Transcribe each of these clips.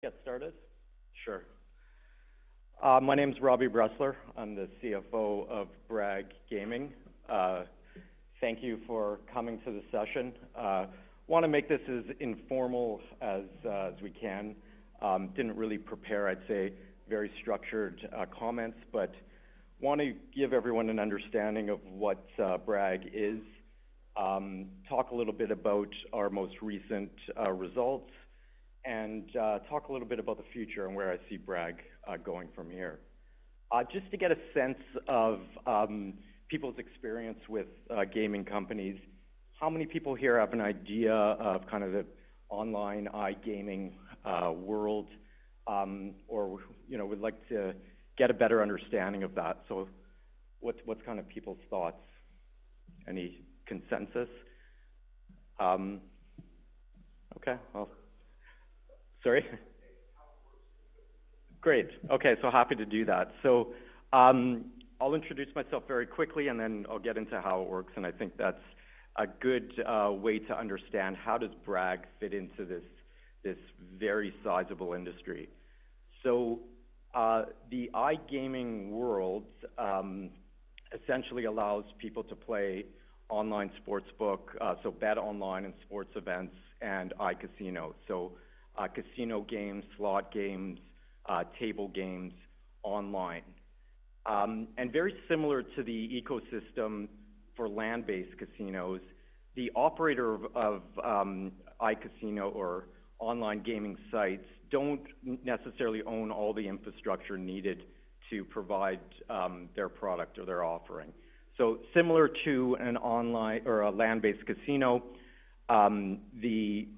Get started? Sure. My name is Robbie Bressler. I'm the CFO of Bragg Gaming. Thank you for coming to the session. I want to make this as informal as, as we can. Didn't really prepare, I'd say, very structured comments, but want to give everyone an understanding of what, Bragg is, talk a little bit about our most recent, results, and, talk a little bit about the future and where I see Bragg, going from here. Just to get a sense of, people's experience with, gaming companies, how many people here have an idea of kind of the online iGaming, world, or, you know, would like to get a better understanding of that? So what's kind of people's thoughts? Any consensus? Okay, well. Sorry? Great. Okay, so happy to do that. So, I'll introduce myself very quickly, and then I'll get into how it works, and I think that's a good way to understand how does Bragg fit into this very sizable industry. So, the iGaming world essentially allows people to play online sportsbook, so bet online in sports events and iCasino. So, casino games, slot games, table games online. And very similar to the ecosystem for land-based casinos, the operator of iCasino or online gaming sites don't necessarily own all the infrastructure needed to provide their product or their offering. So similar to an online or a land-based casino, the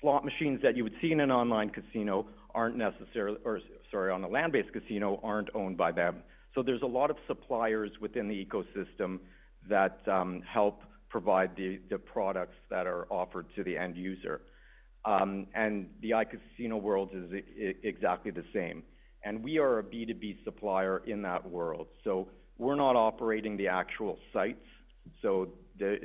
slot machines that you would see in an online casino aren't necessarily - or sorry, on a land-based casino, aren't owned by them. So there's a lot of suppliers within the ecosystem that help provide the products that are offered to the end user. And the iCasino world is exactly the same, and we are a B2B supplier in that world. So we're not operating the actual sites, so the,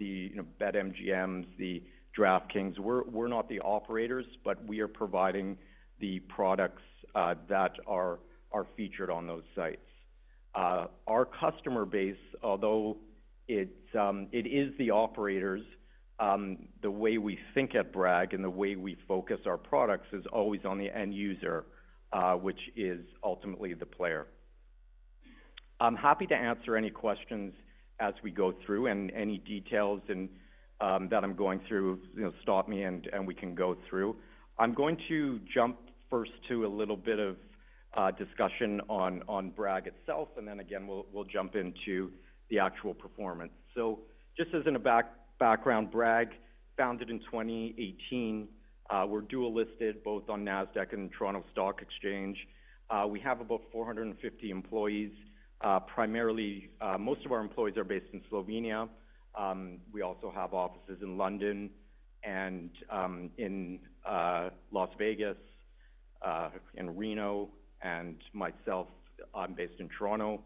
you know, BetMGMs, the DraftKings, we're not the operators, but we are providing the products that are featured on those sites. Our customer base, although it's, it is the operators, the way we think at Bragg and the way we focus our products is always on the end user, which is ultimately the player. I'm happy to answer any questions as we go through and any details and that I'm going through, you know, stop me and we can go through. I'm going to jump first to a little bit of discussion on Bragg itself, and then again, we'll jump into the actual performance. Just as in a background, Bragg, founded in twenty eighteen. We're dual listed both on Nasdaq and Toronto Stock Exchange. We have about four hundred and fifty employees. Primarily, most of our employees are based in Slovenia. We also have offices in London and in Las Vegas, in Reno, and myself, I'm based in Toronto,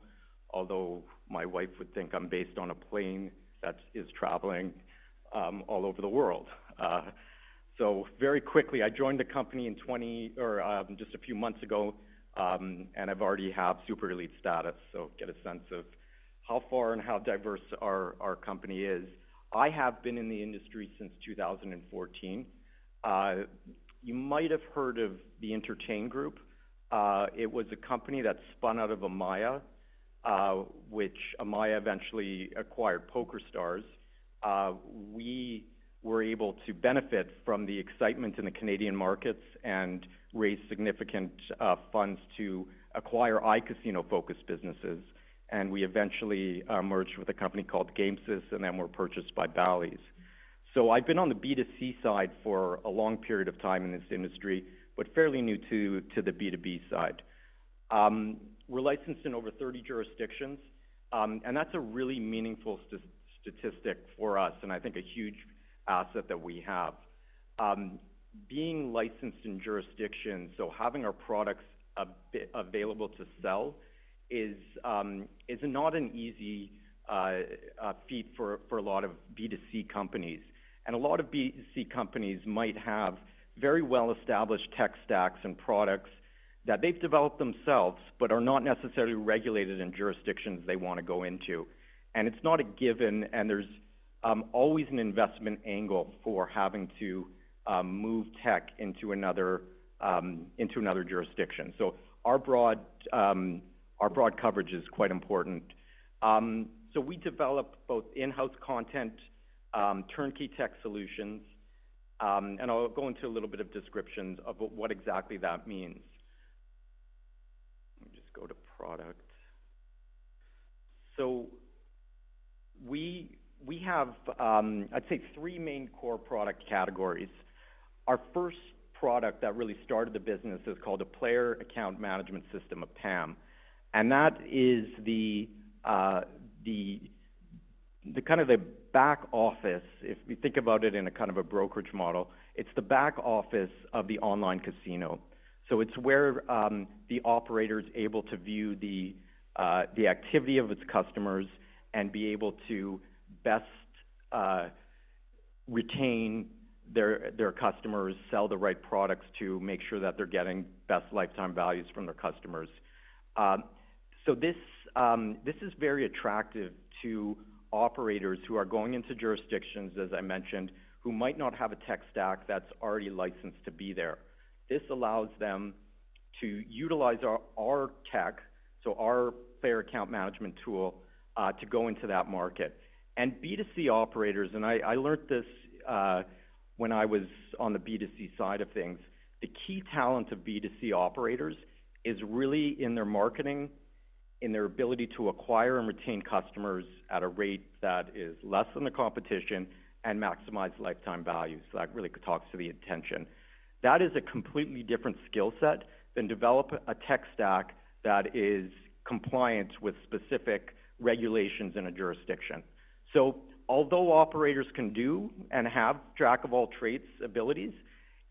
although my wife would think I'm based on a plane that is traveling all over the world. Very quickly, I joined the company just a few months ago, and I've already have super elite status, so get a sense of how far and how diverse our company is. I have been in the industry since 2014. You might have heard of the Intertain Group. It was a company that spun out of Amaya, which Amaya eventually acquired PokerStars. We were able to benefit from the excitement in the Canadian markets and raise significant funds to acquire iCasino-focused businesses, and we eventually merged with a company called Gamesys, and then were purchased by Bally's. So I've been on the B2C side for a long period of time in this industry, but fairly new to the B2B side. We're licensed in over 30 jurisdictions, and that's a really meaningful statistic for us, and I think a huge asset that we have. Being licensed in jurisdictions, so having our products available to sell is not an easy feat for a lot of B2C companies. A lot of B2C companies might have very well-established tech stacks and products that they've developed themselves, but are not necessarily regulated in jurisdictions they want to go into. It's not a given, and there's always an investment angle for having to move tech into another jurisdiction. Our broad coverage is quite important. We develop both in-house content and turnkey tech solutions, and I'll go into a little bit of descriptions of what exactly that means. Let me just go to product. We have, I'd say three main core product categories. Our first product that really started the business is called a player account management system, a PAM, and that is the kind of back office, if you think about it in a kind of a brokerage model. It's the back office of the online casino. So it's where the operator is able to view the activity of its customers and be able to retain their customers, sell the right products to make sure that they're getting best lifetime values from their customers. So this is very attractive to operators who are going into jurisdictions, as I mentioned, who might not have a tech stack that's already licensed to be there. This allows them to utilize our tech, so our player account management tool, to go into that market. And B2C operators, and I learned this when I was on the B2C side of things, the key talent of B2C operators is really in their marketing, in their ability to acquire and retain customers at a rate that is less than the competition and maximize lifetime value. So that really talks to the intention. That is a completely different skill set than develop a tech stack that is compliant with specific regulations in a jurisdiction. So although operators can do and have jack of all trades abilities,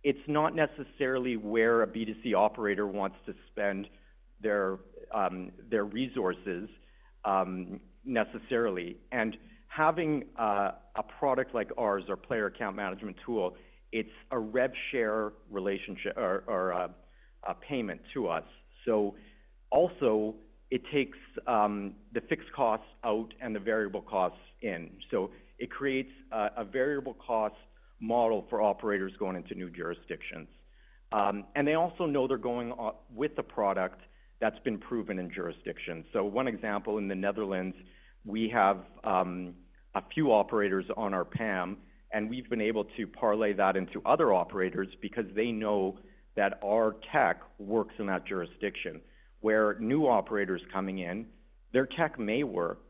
it's not necessarily where a B2C operator wants to spend their resources necessarily. And having a product like ours or player account management tool, it's a rev share relationship or a payment to us. So also it takes the fixed costs out and the variable costs in. So it creates a variable cost model for operators going into new jurisdictions. And they also know they're going on with a product that's been proven in jurisdictions. One example, in the Netherlands, we have a few operators on our PAM, and we've been able to parlay that into other operators because they know that our tech works in that jurisdiction, where new operators coming in, their tech may work,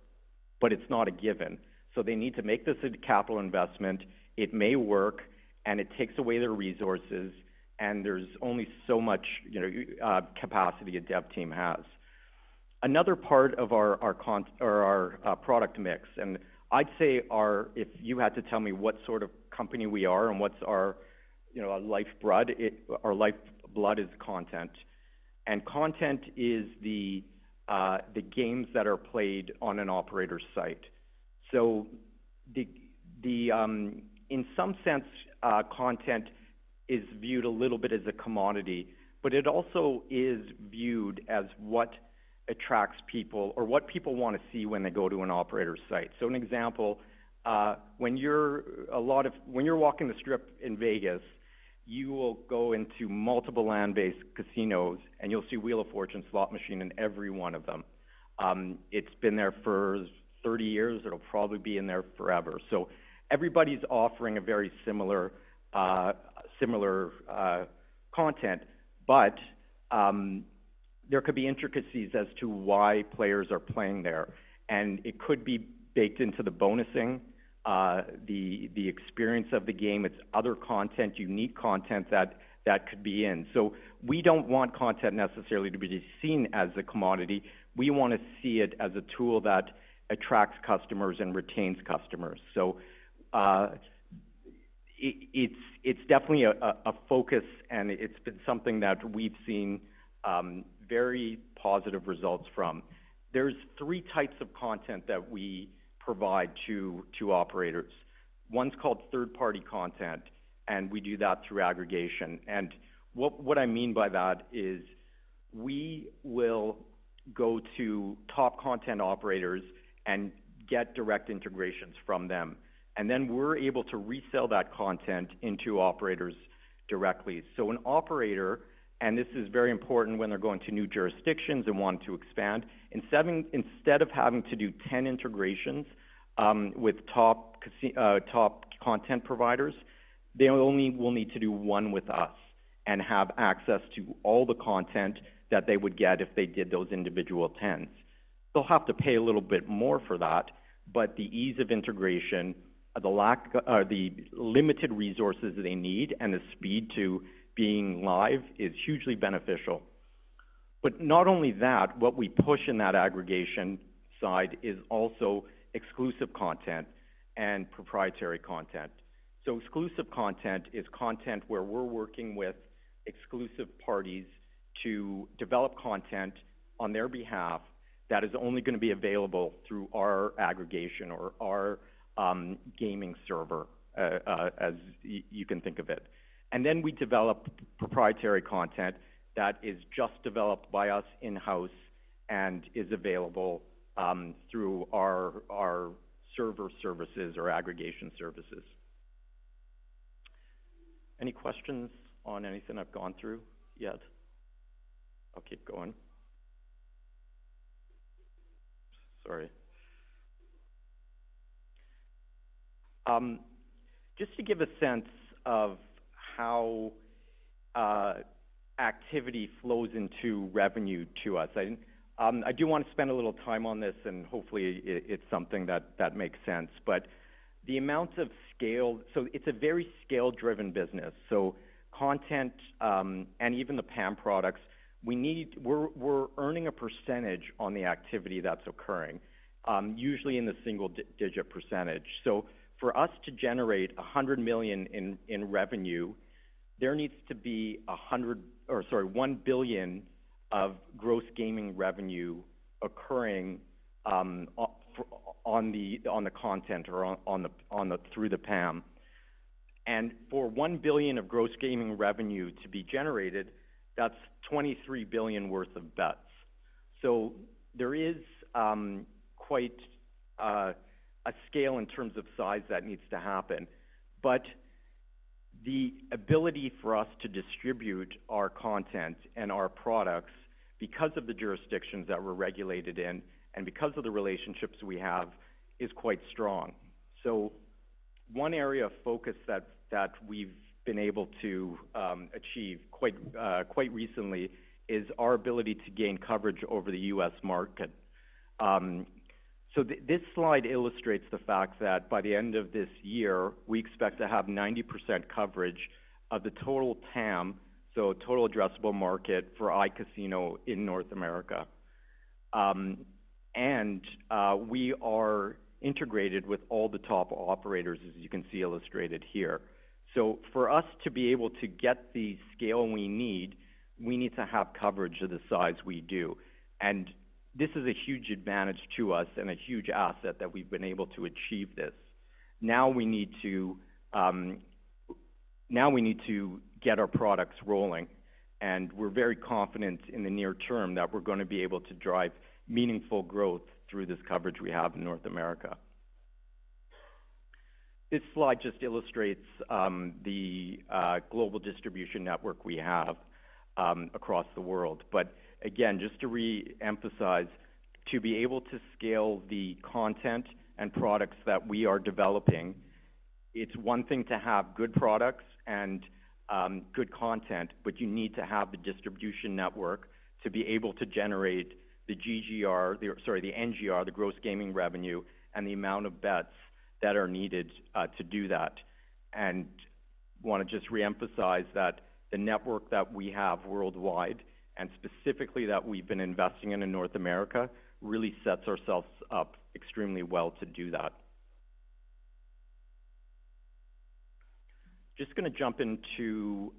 but it's not a given. So they need to make this a capital investment. It may work, and it takes away their resources, and there's only so much, you know, capacity a dev team has. Another part of our product mix, and I'd say if you had to tell me what sort of company we are and what's our, you know, our lifeblood is content. And content is the games that are played on an operator's site. So in some sense content is viewed a little bit as a commodity, but it also is viewed as what attracts people or what people want to see when they go to an operator's site. So an example, when you're walking the Strip in Vegas, you will go into multiple land-based casinos, and you'll see Wheel of Fortune slot machine in every one of them. It's been there for thirty years. It'll probably be in there forever. So everybody's offering a very similar content, but there could be intricacies as to why players are playing there, and it could be baked into the bonusing, the experience of the game, its other content, unique content that could be in. So we don't want content necessarily to be just seen as a commodity. We want to see it as a tool that attracts customers and retains customers. So it's definitely a focus, and it's been something that we've seen very positive results from. There's three types of content that we provide to operators. One's called third-party content, and we do that through aggregation. And what I mean by that is we will go to top content operators and get direct integrations from them, and then we're able to resell that content into operators directly. So an operator, and this is very important when they're going to new jurisdictions and want to expand, instead of having to do ten integrations with top content providers, they only will need to do one with us and have access to all the content that they would get if they did those individual tens. They'll have to pay a little bit more for that, but the ease of integration, the lack, or the limited resources they need and the speed to being live is hugely beneficial. But not only that, what we push in that aggregation side is also exclusive content and proprietary content. So exclusive content is content where we're working with exclusive parties to develop content on their behalf that is only going to be available through our aggregation or our gaming server, as you can think of it. And then we develop proprietary content that is just developed by us in-house and is available through our server services or aggregation services. Any questions on anything I've gone through yet? I'll keep going. Sorry. Just to give a sense of how activity flows into revenue to us, I do want to spend a little time on this, and hopefully, it's something that makes sense. But the amounts of scale, so it's a very scale-driven business. Content, and even the PAM products, we're earning a percentage on the activity that's occurring, usually in the single digit percentage. For us to generate 100 million in revenue, there needs to be 1 billion of gross gaming revenue occurring on the content or through the PAM. For 1 billion of gross gaming revenue to be generated, that's 23 billion worth of bets. There is quite a scale in terms of size that needs to happen. The ability for us to distribute our content and our products, because of the jurisdictions that we're regulated in and because of the relationships we have, is quite strong. So one area of focus that we've been able to achieve quite recently is our ability to gain coverage over the U.S. market. So this slide illustrates the fact that by the end of this year, we expect to have 90% coverage of the total TAM, so total addressable market for iCasino in North America. And we are integrated with all the top operators, as you can see illustrated here. So for us to be able to get the scale we need, we need to have coverage of the size we do. And this is a huge advantage to us and a huge asset that we've been able to achieve this. Now we need to get our products rolling, and we're very confident in the near term that we're gonna be able to drive meaningful growth through this coverage we have in North America. This slide just illustrates the global distribution network we have across the world. But again, just to reemphasize, to be able to scale the content and products that we are developing, it's one thing to have good products and good content, but you need to have the distribution network to be able to generate the GGR, sorry, the NGR, the gross gaming revenue, and the amount of bets that are needed to do that. And wanna just reemphasize that the network that we have worldwide, and specifically that we've been investing in in North America, really sets ourselves up extremely well to do that. Just gonna jump into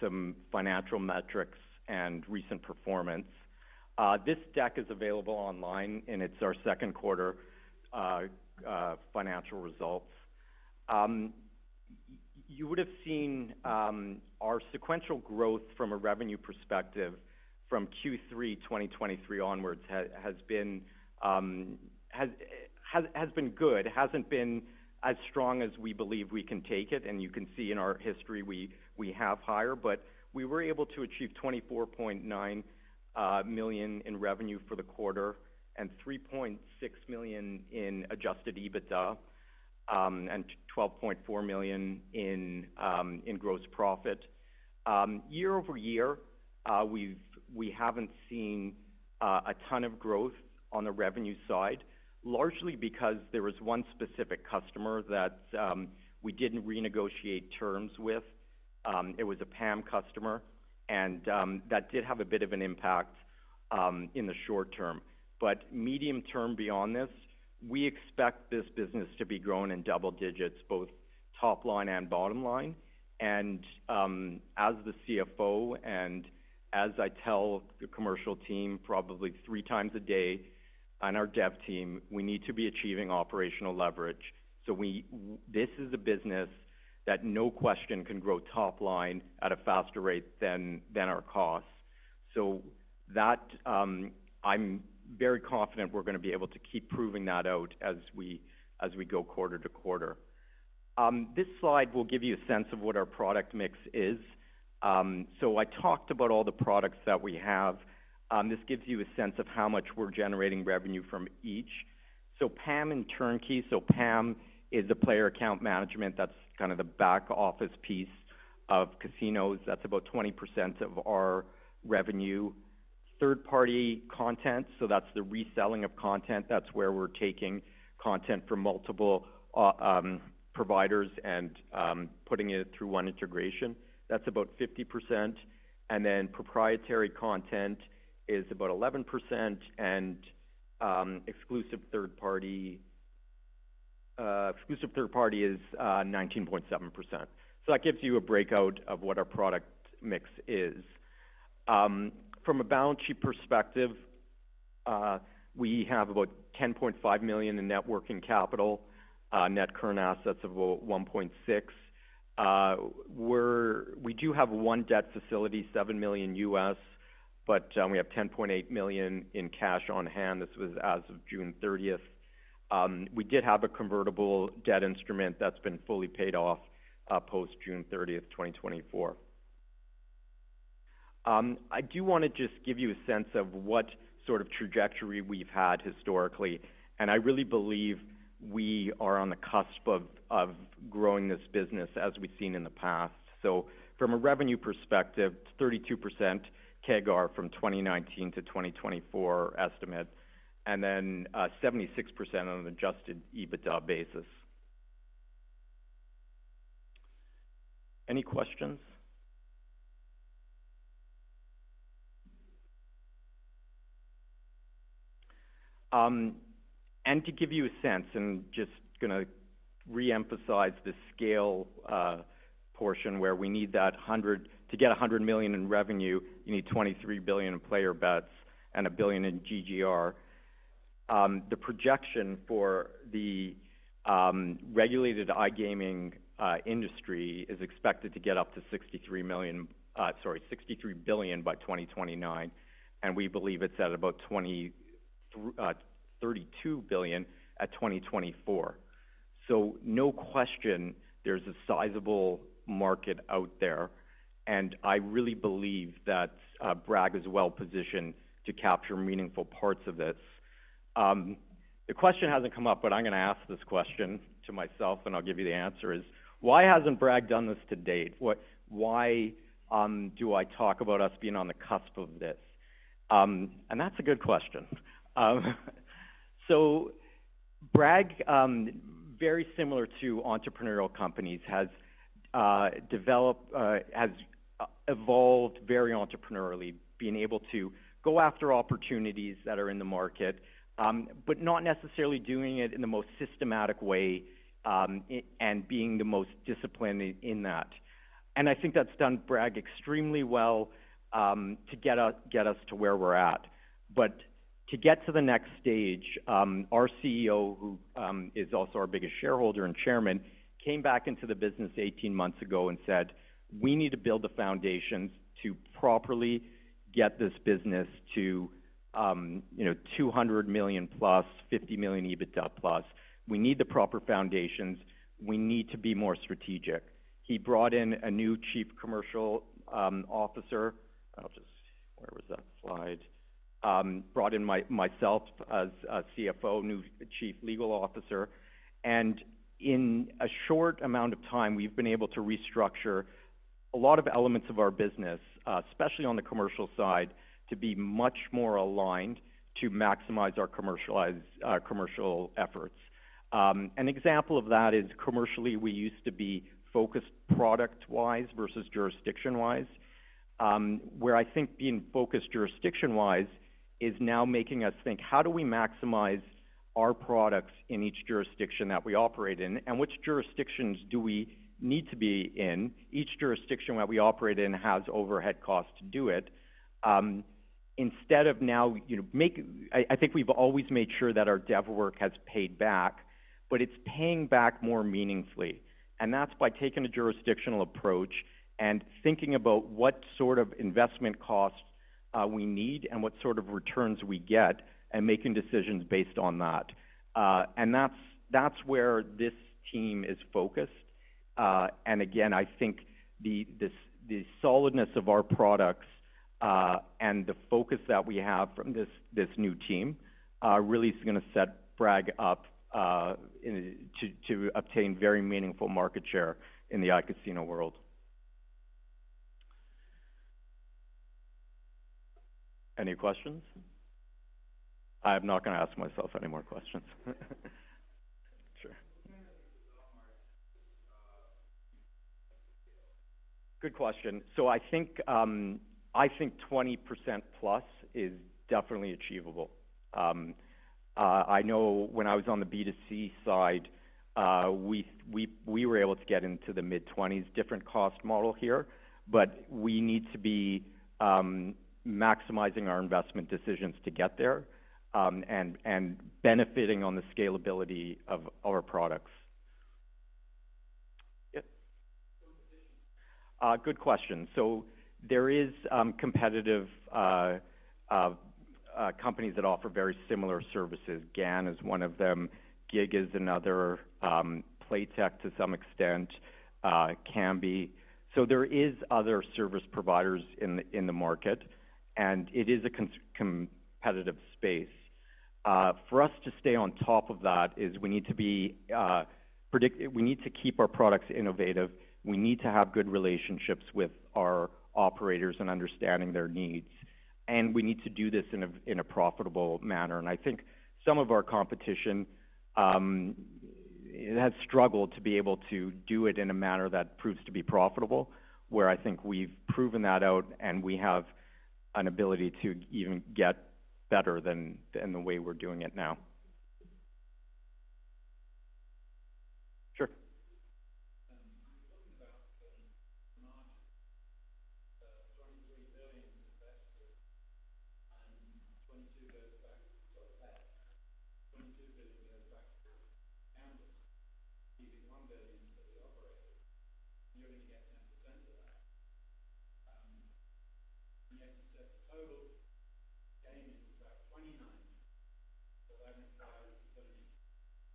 some financial metrics and recent performance. This deck is available online, and it's our second quarter financial results. You would have seen our sequential growth from a revenue perspective from Q3 2023 onwards has been good. It hasn't been as strong as we believe we can take it, and you can see in our history, we have higher. But we were able to achieve 24.9 million in revenue for the quarter and 3.6 million in Adjusted EBITDA, and 12.4 million in gross profit. Year-over-year, we haven't seen a ton of growth on the revenue side, largely because there was one specific customer that we didn't renegotiate terms with. It was a PAM customer, and that did have a bit of an impact in the short term. But medium term beyond this, we expect this business to be growing in double digits, both top line and bottom line. And as the CFO, and as I tell the commercial team probably three times a day on our dev team, we need to be achieving operational leverage. So this is a business that, no question, can grow top line at a faster rate than our costs. So that, I'm very confident we're gonna be able to keep proving that out as we go quarter to quarter. This slide will give you a sense of what our product mix is. So I talked about all the products that we have. This gives you a sense of how much we're generating revenue from each. PAM and turnkey. PAM is the player account management. That's kind of the back-office piece of casinos. That's about 20% of our revenue. Third-party content, so that's the reselling of content. That's where we're taking content from multiple providers and putting it through one integration. That's about 50%, and then proprietary content is about 11%, and exclusive third party is 19.7%. That gives you a breakout of what our product mix is. From a balance sheet perspective, we have about 10.5 million in net working capital, net current assets of about 1.6. We do have one debt facility, $7 million, but we have 10.8 million in cash on hand. This was as of June thirtieth. We did have a convertible debt instrument that's been fully paid off, post June thirtieth, 2024. I do wanna just give you a sense of what sort of trajectory we've had historically, and I really believe we are on the cusp of growing this business as we've seen in the past, so from a revenue perspective, 32% CAGR from 2019 to 2024 estimate, and then 76% on an Adjusted EBITDA basis. Any questions? And to give you a sense, and just going to reemphasize the scale, portion, where we need to get 100 million in revenue, you need 23 billion in player bets and 1 billion in GGR. The projection for the regulated iGaming industry is expected to get up to 63 billion by 2029, and we believe it's at about 20 billion-32 billion at 2024. So no question, there's a sizable market out there, and I really believe that Bragg is well positioned to capture meaningful parts of this. The question hasn't come up, but I'm going to ask this question to myself, and I'll give you the answer, is why hasn't Bragg done this to date? Why do I talk about us being on the cusp of this? And that's a good question. So Bragg, very similar to entrepreneurial companies, has developed, has evolved very entrepreneurially, being able to go after opportunities that are in the market, but not necessarily doing it in the most systematic way, and being the most disciplined in that. And I think that's done Bragg extremely well, to get us to where we're at. But to get to the next stage, our CEO, who is also our biggest shareholder and chairman, came back into the business eighteen months ago and said, "We need to build the foundations to properly get this business to, you know, 200 million plus, 50 million EBITDA plus. We need the proper foundations. We need to be more strategic." He brought in a new Chief Commercial Officer. I'll just. Where was that slide? Brought in myself as a CFO, new Chief Legal Officer, and in a short amount of time, we've been able to restructure a lot of elements of our business, especially on the commercial side, to be much more aligned, to maximize our commercialize, commercial efforts. An example of that is, commercially, we used to be focused product-wise versus jurisdiction-wise. Where I think being focused jurisdiction-wise is now making us think: How do we maximize our products in each jurisdiction that we operate in? And which jurisdictions do we need to be in? Each jurisdiction that we operate in has overhead costs to do it. Instead of now, you know, make. I think we've always made sure that our dev work has paid back, but it's paying back more meaningfully. That's by taking a jurisdictional approach and thinking about what sort of investment costs we need and what sort of returns we get, and making decisions based on that. That's where this team is focused. Again, I think the solidness of our products and the focus that we have from this new team really is gonna set Bragg up to obtain very meaningful market share in the iCasino world. Any questions? I'm not gonna ask myself any more questions. Sure. Good question. So I think 20% plus is definitely achievable. I know when I was on the B2C side, we were able to get into the mid-20s. Different cost model here, but we need to be maximizing our investment decisions to get there, and benefiting on the scalability of our products. Yep. Good question. So there is competitive companies that offer very similar services. GAN is one of them, GiG is another, Playtech, to some extent, Kambi. So there is other service providers in the market, and it is a competitive space. For us to stay on top of that is we need to keep our products innovative, we need to have good relationships with our operators and understanding their needs, and we need to do this in a profitable manner. And I think some of our competition, it has struggled to be able to do it in a manner that proves to be profitable, where I think we've proven that out, and we have an ability to even get better than the way we're doing it now.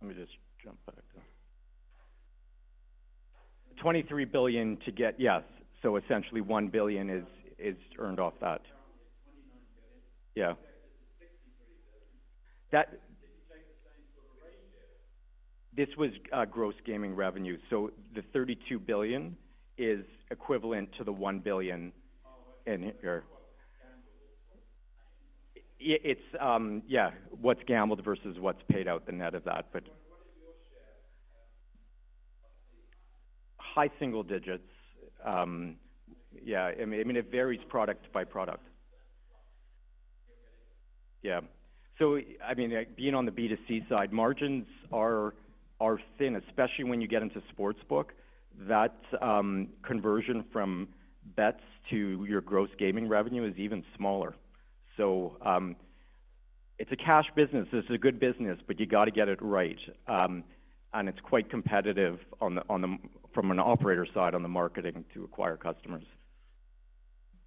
Sure. You were talking about the margin, EUR 23 billion invested and EUR 22 billion goes back to the gamblers, leaving EUR 1 billion for the operator, and you're going to get 10% of that. And yet you said the total gain is about EUR 29 billion, but when- Let me just jump back. 23 billion to get. Yes, so essentially 1 billion is earned off that. Currently it's 29 billion. Yeah. EUR 63 billion. That- If you take the same sort of ratio. This was gross gaming revenue, so the 32 billion is equivalent to the 1 billion in here. Yeah, it's yeah, what's gambled versus what's paid out, the net of that, but high single digits. Yeah, I mean, it varies product by product. Yeah. So, I mean, being on the B2C side, margins are thin, especially when you get into sportsbook. That conversion from bets to your gross gaming revenue is even smaller. So, it's a cash business. It's a good business, but you got to get it right. And it's quite competitive from an operator side, on the marketing to acquire customers.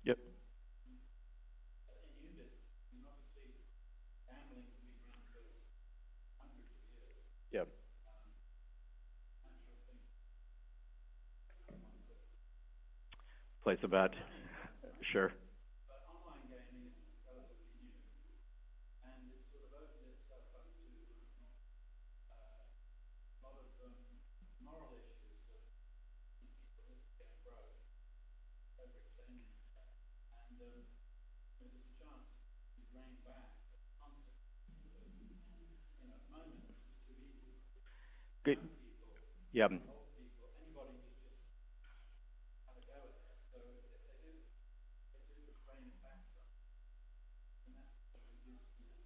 Yep. You did, you know, obviously, gambling has been around for hundreds of years. Yeah. I'm sure- Place a bet. Sure. But online gaming is relatively new,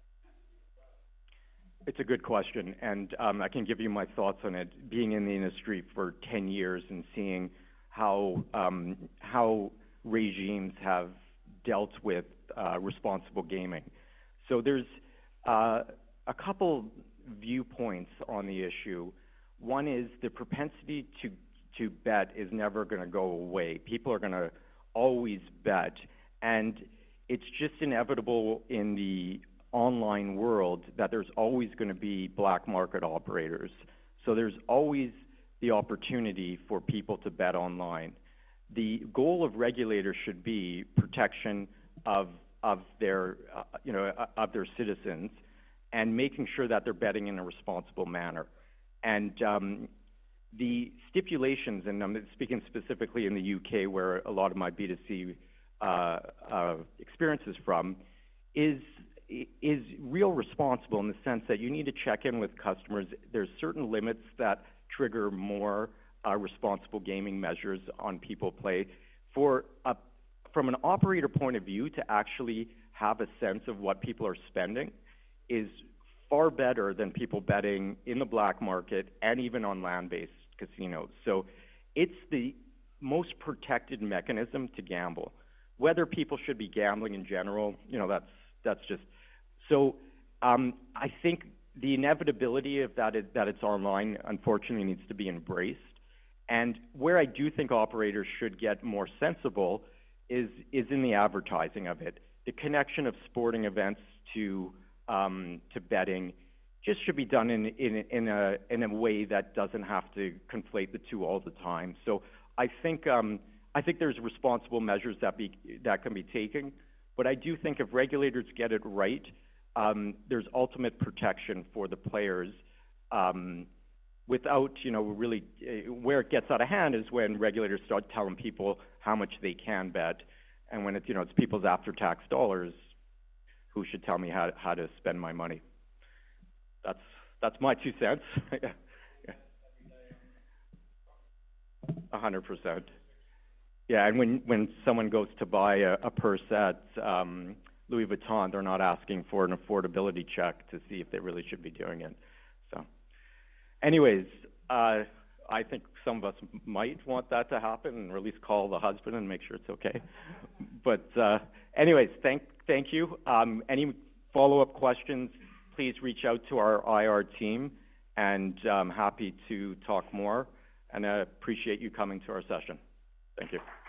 and it sort of opens itself up to a lot of moral issues of people getting broke, overextending themselves. And there's a chance to rein back on, you know, moments to people- Good- Young people- Yeah. Old people, anybody could just have a go at it. So if they do, they do the playing back and that's It's a good question, and I can give you my thoughts on it. Being in the industry for 10 years and seeing how regimes have dealt with responsible gaming. So there's a couple viewpoints on the issue. One is the propensity to bet is never gonna go away. People are gonna always bet, and it's just inevitable in the online world that there's always gonna be black market operators. So there's always the opportunity for people to bet online. The goal of regulators should be protection of their you know citizens and making sure that they're betting in a responsible manner. And the stipulations, and I'm speaking specifically in the U.K., where a lot of my B2C experience is from, is real responsible in the sense that you need to check in with customers. There's certain limits that trigger more responsible gaming measures on people play. From an operator point of view, to actually have a sense of what people are spending is far better than people betting in the black market and even on land-based casinos. So it's the most protected mechanism to gamble. Whether people should be gambling in general, you know, that's, that's just. So I think the inevitability of that is that it's online, unfortunately, needs to be embraced. And where I do think operators should get more sensible is in the advertising of it. The connection of sporting events to betting just should be done in a way that doesn't have to conflate the two all the time. I think there's responsible measures that can be taken, but I do think if regulators get it right, there's ultimate protection for the players without, you know, really... Where it gets out of hand is when regulators start telling people how much they can bet. And when it's, you know, it's people's after-tax dollars, who should tell me how to spend my money? That's my two cents. Yeah. 100%. Yeah, and when someone goes to buy a purse at Louis Vuitton, they're not asking for an affordability check to see if they really should be doing it. So anyways, I think some of us might want that to happen and at least call the husband and make sure it's okay. But, anyways, thank you. Any follow-up questions, please reach out to our IR team, and I'm happy to talk more, and I appreciate you coming to our session. Thank you.